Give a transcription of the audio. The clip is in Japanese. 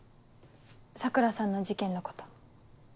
桜さんの事件のこと。